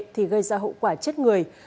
thì gây ra hậu quả chết người